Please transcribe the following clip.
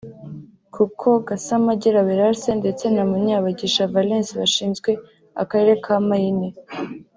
kuko Gasamagera Wellars ndetse na Munyabagisha Valens bashinzwe akarere ka Maine